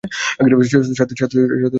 সাথে স্নান করবি?